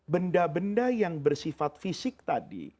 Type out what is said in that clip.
benda benda yang bersifat fisik tadi